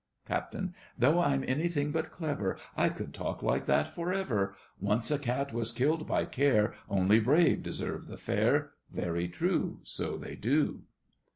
CAPT. Though I'm anything but clever, I could talk like that for ever: Once a cat was killed by care; Only brave deserve the fair. Very true, So they do.